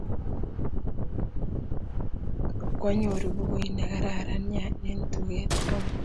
Kwanyoru pukuit ne kararan nia eng' tuget amut